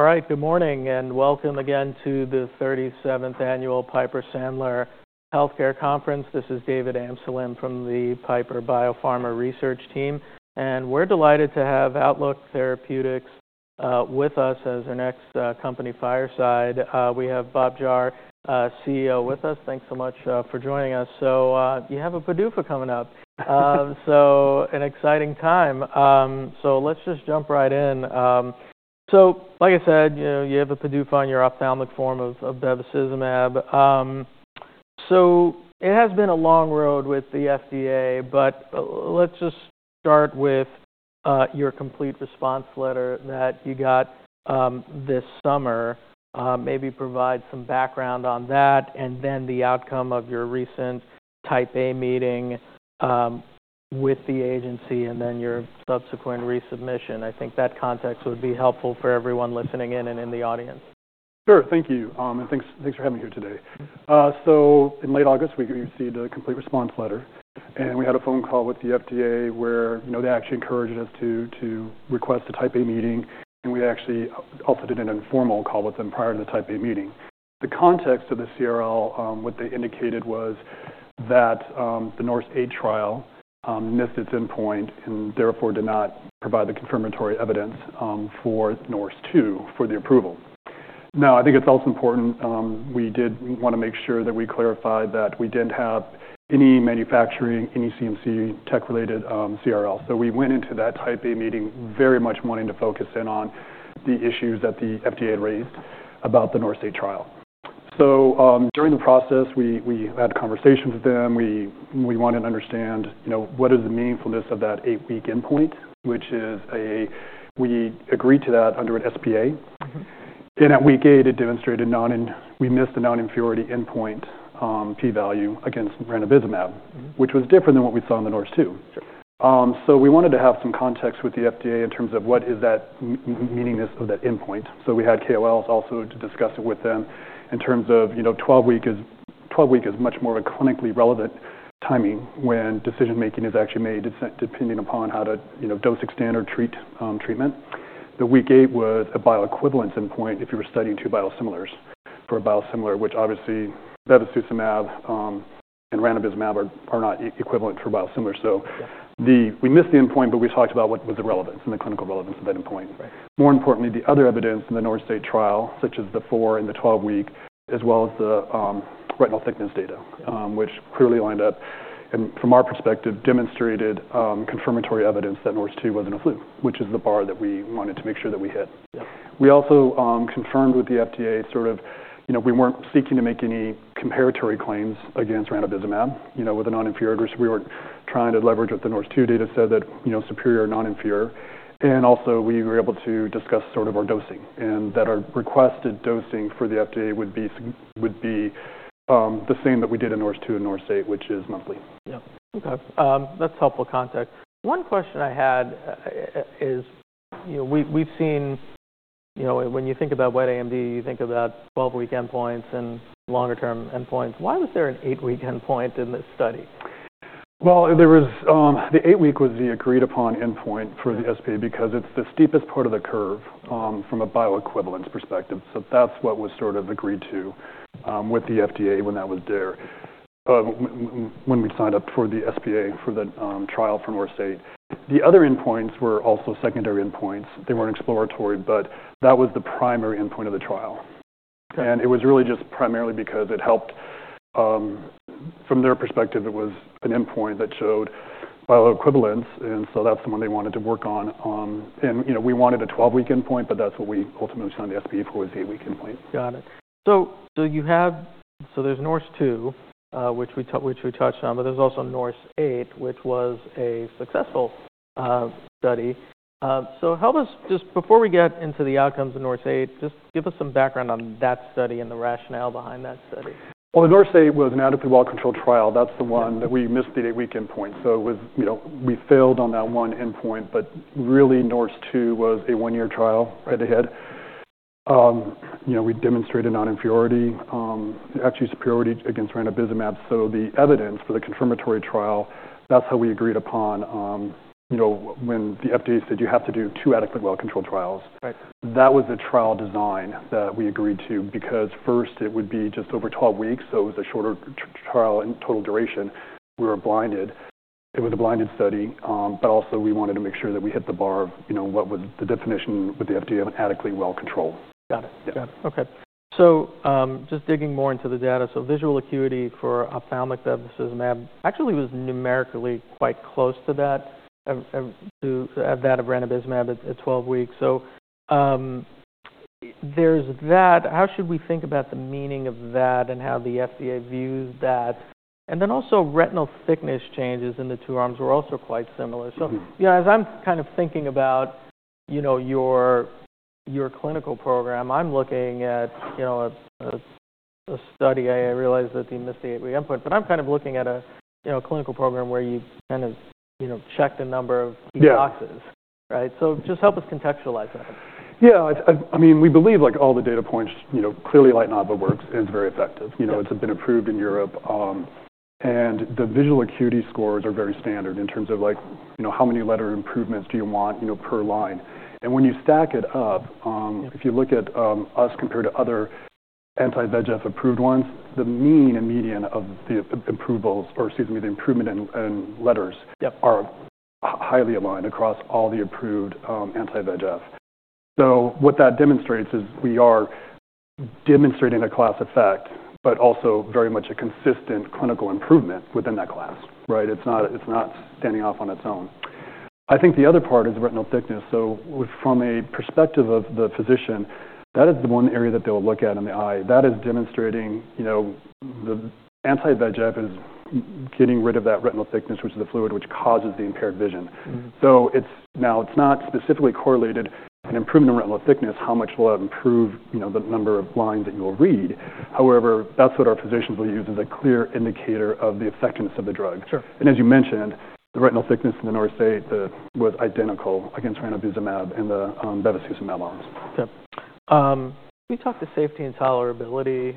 All right, good morning and welcome again to the 37th Annual Piper Sandler Healthcare Conference. This is David Amsellem from the Piper Biopharma Research Team, and we're delighted to have Outlook Therapeutics with us as our next company, Fireside. We have Bob Jahr, CEO, with us. Thanks so much for joining us. You have a PDUFA coming up, so an exciting time. Let's just jump right in. Like I said, you have a PDUFA on your ophthalmic form of bevacizumab. It has been a long road with the FDA, but let's just start with your complete response letter that you got this summer, maybe provide some background on that, and then the outcome of your recent Type A meeting with the agency and then your subsequent resubmission. I think that context would be helpful for everyone listening in and in the audience. Sure, thank you, and thanks for having me here today. In late August, we received a Complete Response Letter, and we had a phone call with the FDA where they actually encouraged us to request a Type A meeting, and we actually also did an informal call with them prior to the Type A meeting. The context of the CRL, what they indicated, was that the NORSE EIGHT trial missed its endpoint and therefore did not provide the confirmatory evidence for NORSE TWO for the approval. I think it's also important we did want to make sure that we clarify that we didn't have any manufacturing, any CMC tech-related CRL. We went into that Type A meeting very much wanting to focus in on the issues that the FDA raised about the NORSE EIGHT trial. During the process, we had conversations with them. We wanted to understand what is the meaningfulness of that eight-week endpoint, which is a we agreed to that under an SPA. At week eight, it demonstrated we missed the non-inferiority endpoint P-value against ranibizumab, which was different than what we saw in the NORSE TWO. We wanted to have some context with the FDA in terms of what is that meaning of that endpoint. We had KOLs also to discuss it with them in terms of 12-week is much more of a clinically relevant timing when decision-making is actually made depending upon how to dose extend or treat treatment. The week eight was a bioequivalence endpoint if you were studying two biosimilars for a biosimilar, which obviously bevacizumab and ranibizumab are not equivalent for biosimilars. We missed the endpoint, but we talked about what was the relevance and the clinical relevance of that endpoint. More importantly, the other evidence in the NORSE EIGHT trial, such as the 4 and the 12-week, as well as the retinal thickness data, which clearly lined up and from our perspective demonstrated confirmatory evidence that NORSE TWO was not a fluke, which is the bar that we wanted to make sure that we hit. We also confirmed with the FDA sort of we were not seeking to make any comparatory claims against ranibizumab with a non-inferiority. We were not trying to leverage what the NORSE TWO data said that superior or non-inferior. Also, we were able to discuss sort of our dosing and that our requested dosing for the FDA would be the same that we did in NORSE TWO and NORSE EIGHT, which is monthly. Yeah, okay. That's helpful context. One question I had is we've seen when you think about wet AMD, you think about 12-week endpoints and longer-term endpoints. Why was there an eight-week endpoint in this study? The eight-week was the agreed-upon endpoint for the SPA because it is the steepest part of the curve from a bioequivalence perspective. That was what was sort of agreed to with the FDA when that was there when we signed up for the SPA for the trial for NORSE EIGHT. The other endpoints were also secondary endpoints. They were not exploratory, but that was the primary endpoint of the trial. It was really just primarily because it helped from their perspective. It was an endpoint that showed bioequivalence, and that is the one they wanted to work on. We wanted a 12-week endpoint, but what we ultimately signed the SPA for was the eight-week endpoint. Got it. There is NORSE TWO, which we touched on, but there is also NORSE EIGHT, which was a successful study. Just before we get into the outcomes of NORSE EIGHT, just give us some background on that study and the rationale behind that study. The NORSE EIGHT was an adequately well-controlled trial. That is the one that we missed the eight-week endpoint. We failed on that one endpoint, but really NORSE TWO was a one-year trial right ahead. We demonstrated non-inferiority, actually superiority against ranibizumab. The evidence for the confirmatory trial, that is how we agreed upon when the FDA said you have to do two adequately well-controlled trials. That was the trial design that we agreed to because first it would be just over 12 weeks. It was a shorter trial in total duration. We were blinded. It was a blinded study, but also we wanted to make sure that we hit the bar of what was the definition with the FDA of an adequately well-controlled. Got it. Yeah, okay. Just digging more into the data. Visual acuity for ophthalmic bevacizumab actually was numerically quite close to that of ranibizumab at 12 weeks. There is that. How should we think about the meaning of that and how the FDA views that? Also, retinal thickness changes in the two arms were also quite similar. As I'm kind of thinking about your clinical program, I'm looking at a study. I realize that they missed the eight-week endpoint, but I'm kind of looking at a clinical program where you kind of checked a number of key boxes, right? Just help us contextualize that. Yeah. I mean, we believe all the data points clearly, LYTENAVA works and it's very effective. It's been approved in Europe. The visual acuity scores are very standard in terms of how many letter improvements do you want per line. When you stack it up, if you look at us compared to other anti-VEGF approved ones, the mean and median of the approvals, or excuse me, the improvement in letters, are highly aligned across all the approved anti-VEGF. What that demonstrates is we are demonstrating a class effect, but also very much a consistent clinical improvement within that class, right? It's not standing off on its own. I think the other part is retinal thickness. From a perspective of the physician, that is the one area that they'll look at in the eye. That is demonstrating the anti-VEGF is getting rid of that retinal thickness, which is the fluid which causes the impaired vision. Now, it's not specifically correlated, an improvement in retinal thickness, how much will that improve the number of lines that you will read? However, that's what our physicians will use as a clear indicator of the effectiveness of the drug. As you mentioned, the retinal thickness in the NORSE EIGHT was identical against ranibizumab and the bevacizumab arms. Yep. Can we talk to safety and tolerability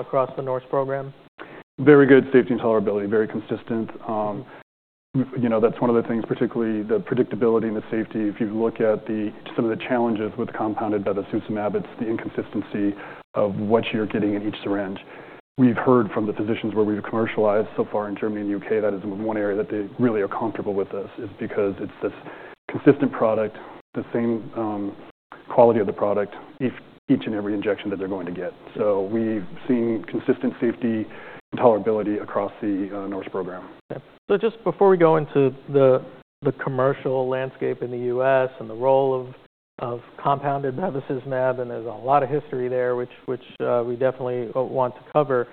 across the NORSE program? Very good safety and tolerability, very consistent. That's one of the things, particularly the predictability and the safety. If you look at some of the challenges with compounded bevacizumab, it's the inconsistency of what you're getting in each syringe. We've heard from the physicians where we've commercialized so far in Germany and the U.K., that is one area that they really are comfortable with us is because it's this consistent product, the same quality of the product each and every injection that they're going to get. We've seen consistent safety and tolerability across the NORSE program. Just before we go into the commercial landscape in the U.S. and the role of compounded bevacizumab, and there's a lot of history there, which we definitely want to cover,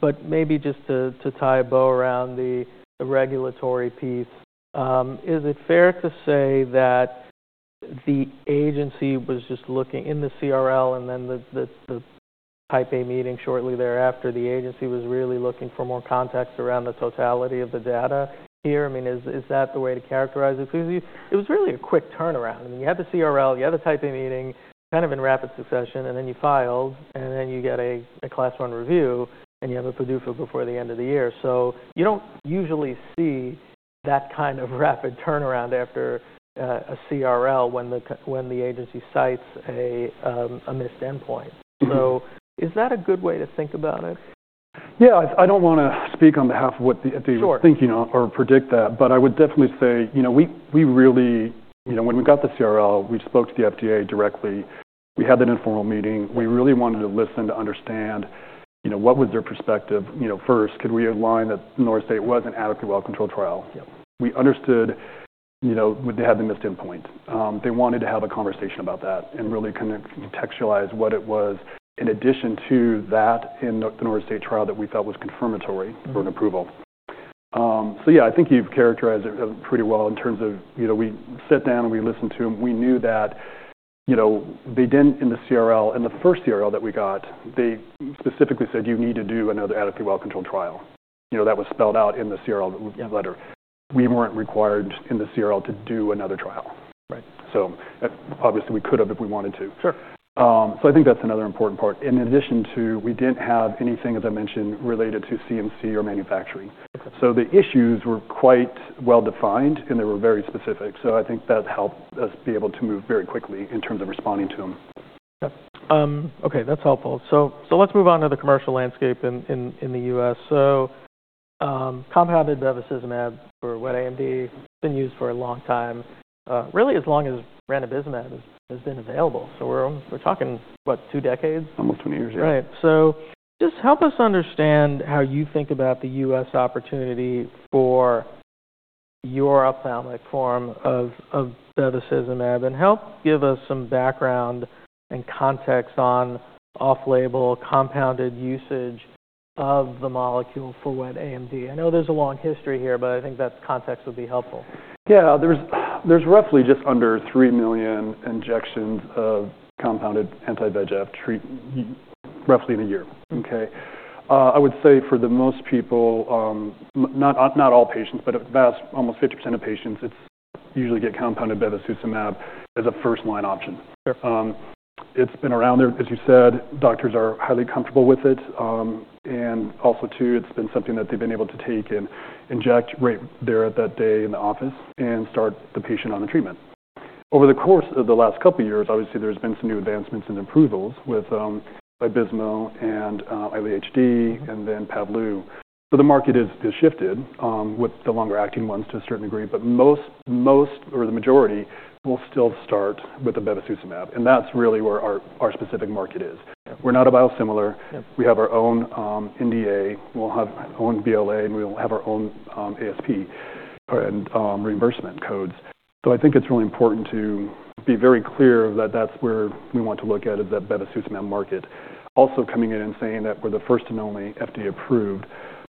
but maybe just to tie a bow around the regulatory piece, is it fair to say that the agency was just looking in the CRL and then the Type A meeting shortly thereafter, the agency was really looking for more context around the totality of the data here? I mean, is that the way to characterize it? Because it was really a quick turnaround. I mean, you had the CRL, you had the Type A meeting kind of in rapid succession, and then you filed, and then you get a class 1 review, and you have a PDUFA before the end of the year. You do not usually see that kind of rapid turnaround after a Complete Response Letter when the agency cites a missed endpoint. Is that a good way to think about it? Yeah. I don't want to speak on behalf of what they were thinking or predict that, but I would definitely say we really, when we got the CRL, we spoke to the FDA directly. We had that informal meeting. We really wanted to listen to understand what was their perspective. First, could we align that the NORSE EIGHT was an adequately well-controlled trial? We understood they had the missed endpoint. They wanted to have a conversation about that and really contextualize what it was in addition to that in the NORSE EIGHT trial that we felt was confirmatory for an approval. Yeah, I think you've characterized it pretty well in terms of we sat down and we listened to them. We knew that they didn't in the CRL, in the first CRL that we got, they specifically said, "You need to do another adequately well-controlled trial." That was spelled out in the CRL letter. We weren't required in the CRL to do another trial. Obviously we could have if we wanted to. I think that's another important part. In addition to, we didn't have anything, as I mentioned, related to CMC or manufacturing. The issues were quite well defined and they were very specific. I think that helped us be able to move very quickly in terms of responding to them. Okay. That's helpful. Let's move on to the commercial landscape in the U.S. Compounded bevacizumab for wet AMD has been used for a long time, really as long as ranibizumab has been available. We're talking what, two decades? Almost 20 years, yeah. Right. Just help us understand how you think about the U.S. opportunity for your ophthalmic form of bevacizumab and help give us some background and context on off-label compounded usage of the molecule for wet AMD. I know there's a long history here, but I think that context would be helpful. Yeah. There's roughly just under 3 million injections of compounded anti-VEGF treatment roughly in a year. Okay. I would say for most people, not all patients, but almost 50% of patients, it's usually get compounded bevacizumab as a first-line option. It's been around there, as you said. Doctors are highly comfortable with it. Also, it's been something that they've been able to take and inject right there at that day in the office and start the patient on the treatment. Over the course of the last couple of years, obviously there's been some new advancements and improvements with Vabysmo and Eylea HD and then Pavblu. The market has shifted with the longer-acting ones to a certain degree, but most or the majority will still start with the bevacizumab. That's really where our specific market is. We're not a biosimilar. We have our own NDA. We'll have our own BLA and we'll have our own ASP and reimbursement codes. I think it's really important to be very clear that that's where we want to look at is that bevacizumab market. Also coming in and saying that we're the first and only FDA-approved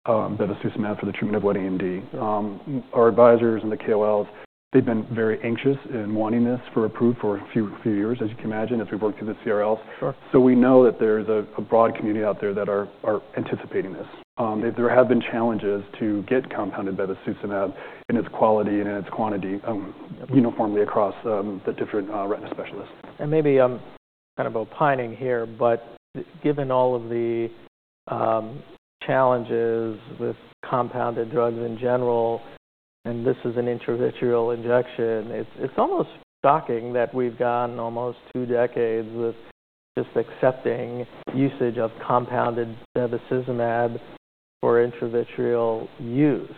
bevacizumab for the treatment of wet AMD. Our advisors and the KOLs, they've been very anxious in wanting this for approval for a few years, as you can imagine, as we've worked through the CRLs. We know that there's a broad community out there that are anticipating this. There have been challenges to get compounded bevacizumab in its quality and in its quantity uniformly across the different retina specialists. Maybe kind of opining here, but given all of the challenges with compounded drugs in general, and this is an intravitreal injection, it's almost shocking that we've gotten almost two decades with just accepting usage of compounded bevacizumab for intravitreal use.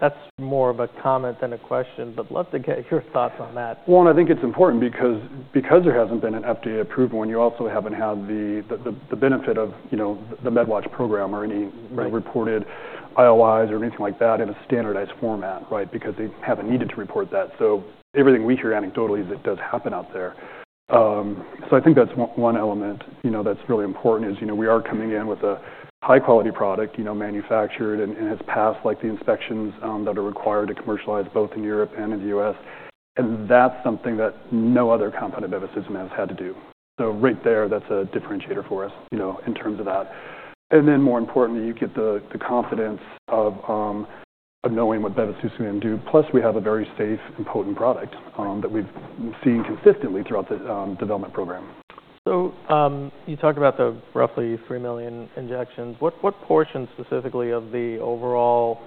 That's more of a comment than a question, but love to get your thoughts on that. I think it's important because there hasn't been an FDA approval and you also haven't had the benefit of the MedWatch program or any reported IOIs or anything like that in a standardized format, right? Because they haven't needed to report that. Everything we hear anecdotally is it does happen out there. I think that's one element that's really important is we are coming in with a high-quality product manufactured and has passed the inspections that are required to commercialize both in Europe and in the U.S. That's something that no other compounded bevacizumab has had to do. Right there, that's a differentiator for us in terms of that. More importantly, you get the confidence of knowing what bevacizumab can do. Plus, we have a very safe and potent product that we've seen consistently throughout the development program. You talk about the roughly 3 million injections. What portion specifically of the overall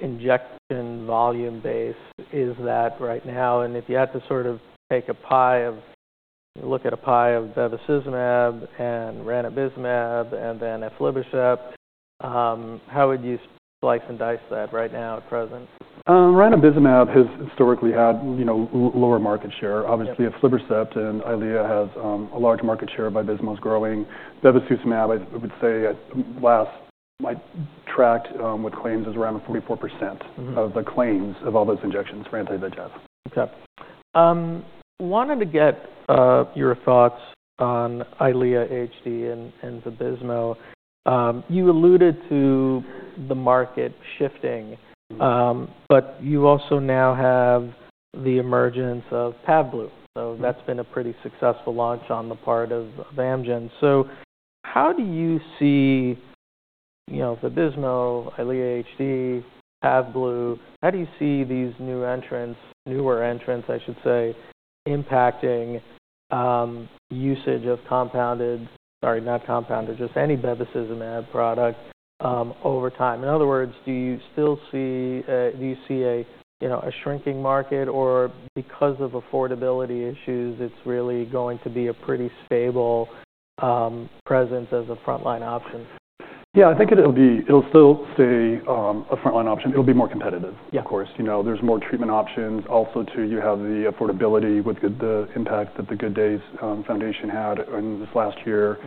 injection volume base is that right now? If you had to sort of take a look at a pie of bevacizumab and ranibizumab and then aflibercept, how would you slice and dice that right now at present? Ranibizumab has historically had lower market share. Obviously, aflibercept and Eylea has a large market share. Vabysmo is growing. Bevacizumab, I would say, last tracked with claims is around 44% of the claims of all those injections for anti-VEGF. Okay. Wanted to get your thoughts on Eylea HD and Vabysmo. You alluded to the market shifting, but you also now have the emergence of Pavblu. That's been a pretty successful launch on the part of Amgen. How do you see Vabysmo, Eylea HD, Pavblu? How do you see these newer entrants, I should say, impacting usage of compounded, sorry, not compounded, just any bevacizumab product over time? In other words, do you still see a shrinking market or because of affordability issues, it's really going to be a pretty stable presence as a frontline option? Yeah. I think it'll still stay a frontline option. It'll be more competitive, of course. There's more treatment options. Also, you have the affordability with the impact that the Good Days Foundation had in this last year.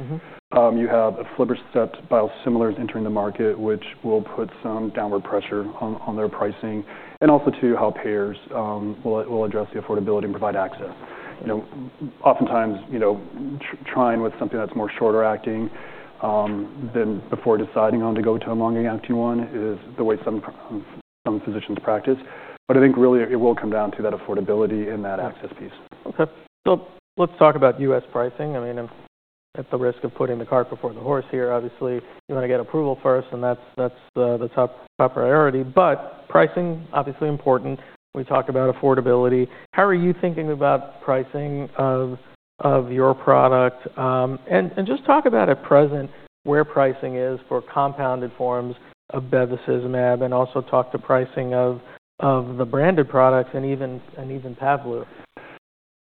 You have aflibercept biosimilars entering the market, which will put some downward pressure on their pricing. Also, how payers will address the affordability and provide access. Oftentimes, trying with something that's more shorter-acting than before deciding to go to a longer-acting one is the way some physicians practice. I think really it will come down to that affordability and that access piece. Okay. Let's talk about U.S. pricing. I mean, at the risk of putting the cart before the horse here, obviously, you want to get approval first and that's the top priority. Pricing, obviously important. We talk about affordability. How are you thinking about pricing of your product? Just talk about at present where pricing is for compounded forms of bevacizumab and also talk to pricing of the branded products and even Pavblu.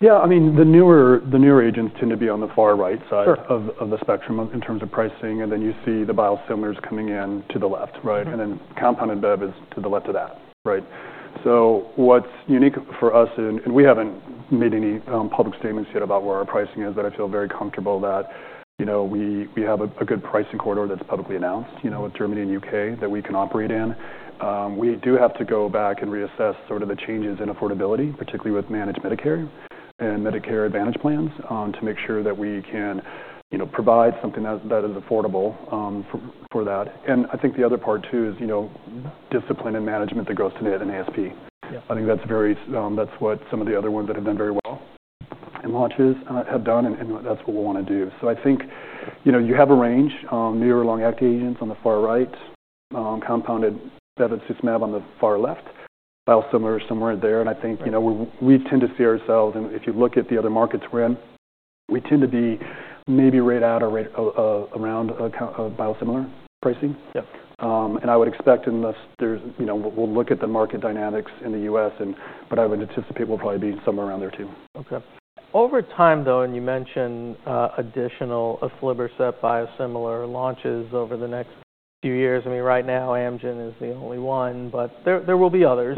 Yeah. I mean, the newer agents tend to be on the far right side of the spectrum in terms of pricing, and then you see the biosimilars coming in to the left, right? And then compounded beva is to the left of that, right? What's unique for us, and we haven't made any public statements yet about where our pricing is, but I feel very comfortable that we have a good pricing corridor that's publicly announced with Germany and the U.K. that we can operate in. We do have to go back and reassess sort of the changes in affordability, particularly with managed Medicare and Medicare Advantage plans to make sure that we can provide something that is affordable for that. I think the other part too is discipline and management that goes to an ASP. I think that's what some of the other ones that have done very well in launches have done, and that's what we'll want to do. I think you have a range, near or long-acting agents on the far right, compounded bevacizumab on the far left, biosimilars somewhere there. I think we tend to see ourselves, and if you look at the other markets we're in, we tend to be maybe right at or around biosimilar pricing. I would expect unless we look at the market dynamics in the U.S., but I would anticipate we'll probably be somewhere around there too. Okay. Over time though, and you mentioned additional aflibercept biosimilar launches over the next few years. I mean, right now Amgen is the only one, but there will be others.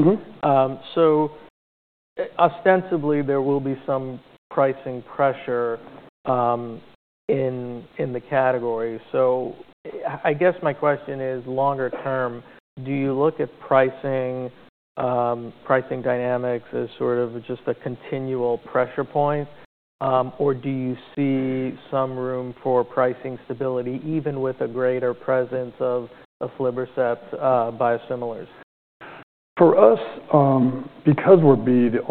Ostensibly, there will be some pricing pressure in the category. I guess my question is longer term, do you look at pricing dynamics as sort of just a continual pressure point, or do you see some room for pricing stability even with a greater presence of aflibercept biosimilars? For us, because we'll be the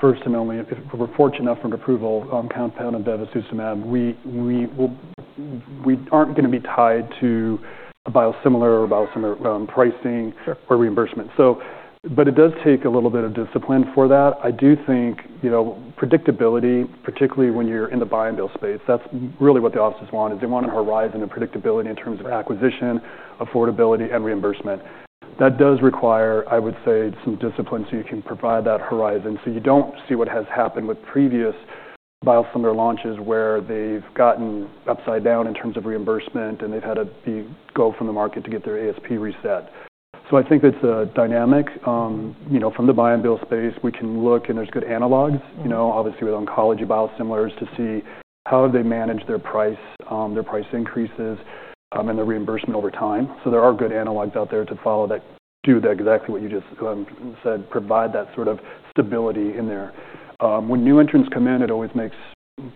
first and only, if we're fortunate enough for an approval on compounded bevacizumab, we aren't going to be tied to a biosimilar or biosimilar pricing or reimbursement. It does take a little bit of discipline for that. I do think predictability, particularly when you're in the buy and bill space, that's really what the offices want is they want a horizon of predictability in terms of acquisition, affordability, and reimbursement. That does require, I would say, some discipline so you can provide that horizon. You don't see what has happened with previous biosimilar launches where they've gotten upside down in terms of reimbursement and they've had to go from the market to get their ASP reset. I think it's a dynamic. From the buy and bill space, we can look and there are good analogs, obviously with oncology biosimilars to see how have they managed their price increases and their reimbursement over time. There are good analogs out there to do exactly what you just said, provide that sort of stability in there. When new entrants come in, it always makes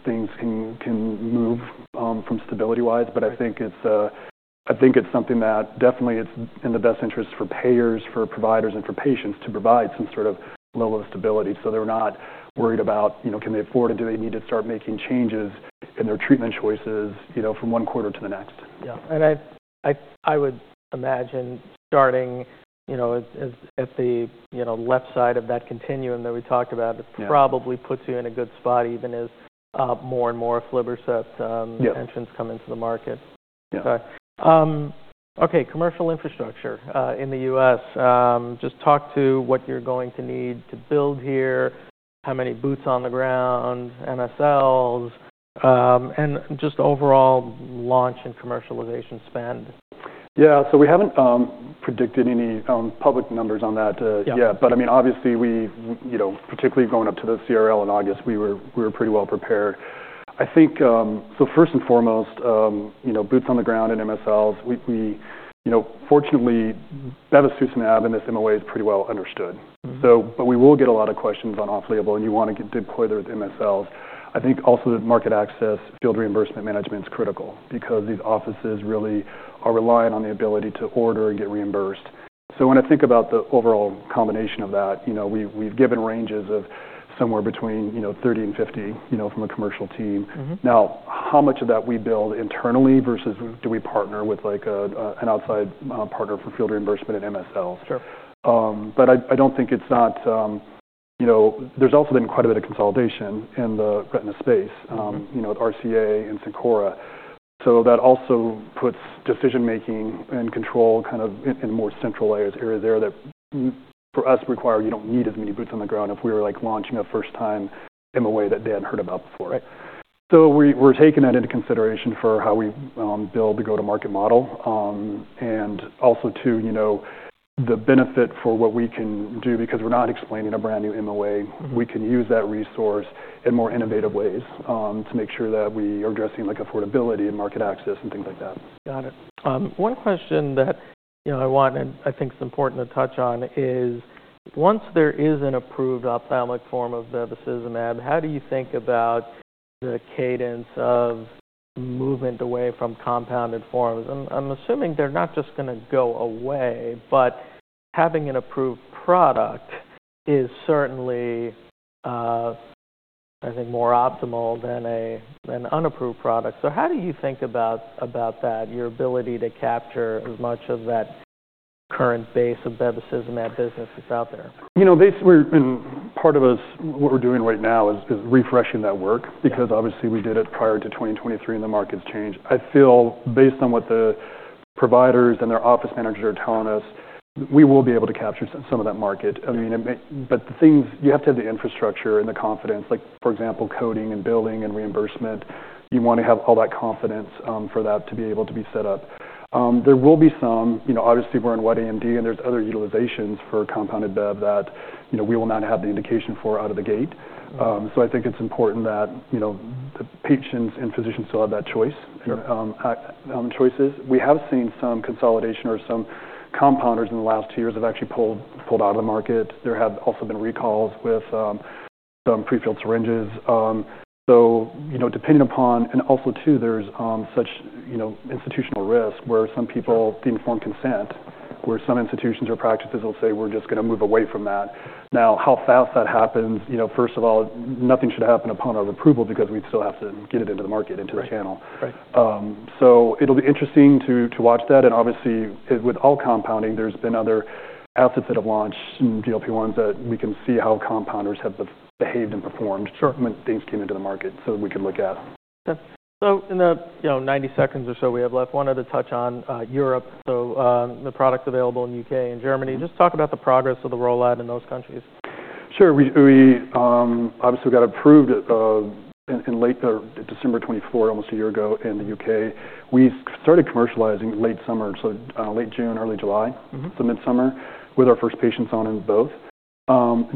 things can move from stability-wise, but I think it is something that definitely it is in the best interest for payers, for providers, and for patients to provide some sort of level of stability so they are not worried about can they afford it, do they need to start making changes in their treatment choices from one quarter to the next. Yeah. I would imagine starting at the left side of that continuum that we talked about, it probably puts you in a good spot even as more and more aflibercept entrants come into the market. Okay. Commercial infrastructure in the U.S. Just talk to what you're going to need to build here, how many boots on the ground, MSLs, and just overall launch and commercialization spend. Yeah. We haven't predicted any public numbers on that yet, but I mean, obviously, particularly going up to the CRL in August, we were pretty well prepared. I think first and foremost, boots on the ground and MSLs. Fortunately, bevacizumab and this MOA is pretty well understood. We will get a lot of questions on off-label and you want to deploy their MSLs. I think also the market access, field reimbursement management is critical because these offices really are reliant on the ability to order and get reimbursed. When I think about the overall combination of that, we've given ranges of somewhere between 30 and 50 from a commercial team. Now, how much of that we build internally versus do we partner with an outside partner for field reimbursement and MSLs? I don't think it's not there's also been quite a bit of consolidation in the retina space, RCA and Cencora. That also puts decision-making and control kind of in more centralized areas there that for us require you don't need as many boots on the ground if we were launching a first-time MOA that they hadn't heard about before, right? We're taking that into consideration for how we build the go-to-market model. Also, the benefit for what we can do because we're not explaining a brand new MOA, we can use that resource in more innovative ways to make sure that we are addressing affordability and market access and things like that. Got it. One question that I wanted, I think it's important to touch on is once there is an approved ophthalmic form of bevacizumab, how do you think about the cadence of movement away from compounded forms? I'm assuming they're not just going to go away, but having an approved product is certainly, I think, more optimal than an unapproved product. How do you think about that, your ability to capture as much of that current base of bevacizumab business that's out there? You know, part of us, what we're doing right now is refreshing that work because obviously we did it prior to 2023 and the market's changed. I feel based on what the providers and their office managers are telling us, we will be able to capture some of that market. I mean, but you have to have the infrastructure and the confidence, like for example, coding and billing and reimbursement. You want to have all that confidence for that to be able to be set up. There will be some, obviously we're in wet AMD and there's other utilizations for compounded bevacizumab that we will not have the indication for out of the gate. I think it's important that the patients and physicians still have that choice. We have seen some consolidation or some compounders in the last two years have actually pulled out of the market. There have also been recalls with some prefilled syringes. Depending upon, and also too, there's such institutional risk where some people, the informed consent, where some institutions or practices will say, "We're just going to move away from that." How fast that happens, first of all, nothing should happen upon our approval because we'd still have to get it into the market, into the channel. It'll be interesting to watch that. Obviously, with all compounding, there have been other assets that have launched and GLP-1s that we can see how compounders have behaved and performed when things came into the market so we can look at. Okay. In the 90 seconds or so we have left, I wanted to touch on Europe. The product's available in the U.K. and Germany. Just talk about the progress of the rollout in those countries. Sure. Obviously, we got approved in late December 2024, almost a year ago in the U.K. We started commercializing late summer, so late June, early July, so mid-summer with our first patients on in both.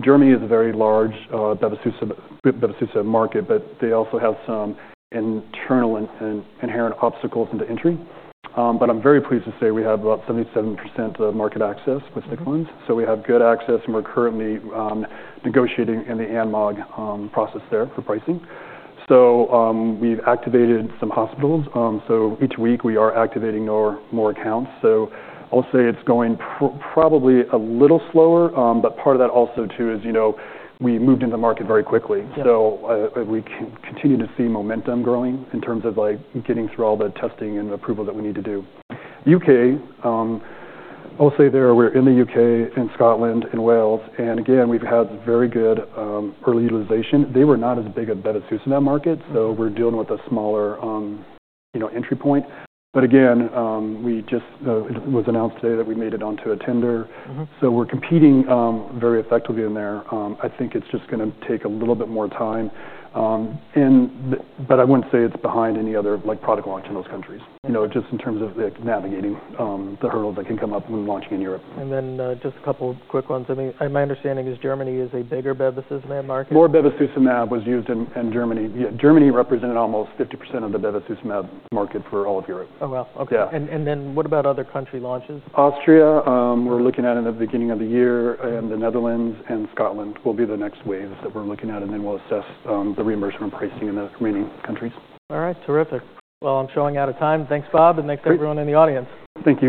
Germany is a very large bevacizumab market, but they also have some internal and inherent obstacles into entry. I am very pleased to say we have about 77% of market access with Signalens. We have good access and we are currently negotiating in the analog process there for pricing. We have activated some hospitals. Each week we are activating more accounts. I will say it is going probably a little slower, but part of that also is we moved into the market very quickly. We continue to see momentum growing in terms of getting through all the testing and approval that we need to do. U.K., I'll say there we're in the U.K., in Scotland, in Wales. Again, we've had very good early utilization. They were not as big a bevacizumab market, so we're dealing with a smaller entry point. Again, it was announced today that we made it onto a tender. We're competing very effectively in there. I think it's just going to take a little bit more time. I wouldn't say it's behind any other product launch in those countries, just in terms of navigating the hurdles that can come up when launching in Europe. Just a couple of quick ones. My understanding is Germany is a bigger bevacizumab market. More bevacizumab was used in Germany. Germany represented almost 50% of the bevacizumab market for all of Europe. Oh, wow. Okay. What about other country launches? Austria, we're looking at it in the beginning of the year, and the Netherlands and Scotland will be the next waves that we're looking at, and then we'll assess the reimbursement pricing in the remaining countries. All right. Terrific. I am showing out of time. Thanks, Bob, and thanks to everyone in the audience. Thank you.